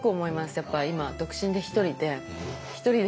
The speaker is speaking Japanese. やっぱ今独身で一人で。